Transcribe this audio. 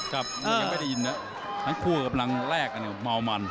ครับยังไม่ได้ยินนะครั้งคู่กับครั้งแรกนี่เมามัน